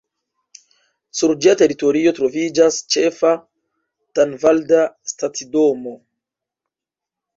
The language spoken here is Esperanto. Sur ĝia teritorio troviĝas ĉefa tanvalda stacidomo.